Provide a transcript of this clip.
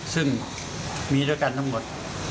ซึ่งมีด้วยกันทั้งหมด